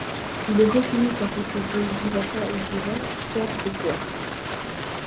Il aurait fini par épouser Jīvaka ou Jīva, sœur du roi.